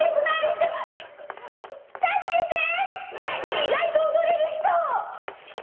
意外と踊れる人！